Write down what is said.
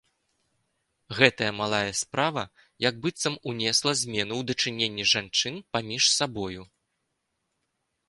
Гэтая малая справа як быццам унесла змену ў дачыненні жанчын паміж сабою.